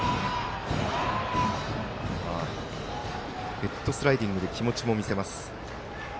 ヘッドスライディングで気持ちも見せます。